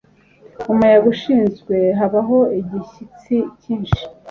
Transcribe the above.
Umuyaga ushize habaho igishyitsi cyinshi;